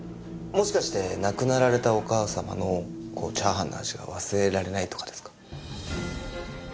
もしかして亡くなられたお母様のチャーハンの味が忘れられないとかですか？